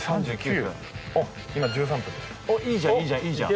おっいいじゃんいいじゃん。